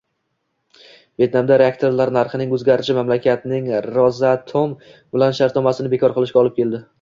Vetnamda reaktorlar narxining o'zgarishi mamlakatning "Rosatom" bilan shartnomasini bekor qilishga olib keldi